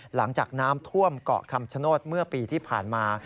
หลังจากน้ำท่วมเกาะคำชโนธเมื่อปีที่ผ่านมา